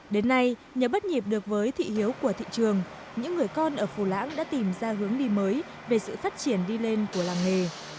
đến nay nhờ bắt nhịp được với thị hiếu của thị trường những người con ở phù lãng đã tìm ra hướng đi mới về sự phát triển đi lên của làng nghề